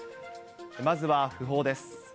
まずは訃報です。